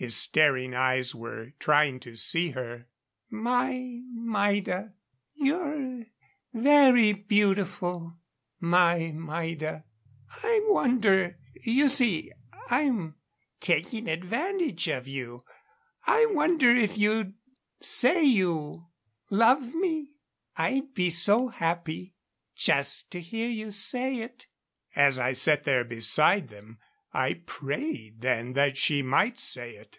His staring eyes were trying to see her. "My Maida. You're very beautiful my Maida. I wonder you see, I'm taking advantage of you I wonder if you'd say you love me? I'd be so happy just to hear you say it." As I sat there behind them, I prayed then that she might say it.